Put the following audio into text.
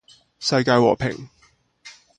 世界和平